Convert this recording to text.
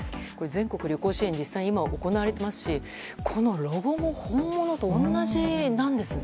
全国旅行支援が実際、今行われていますしこのロゴも本物と同じなんですね。